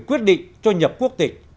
quyết định cho nhập quốc tịch